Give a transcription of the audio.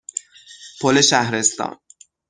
پل شهرستان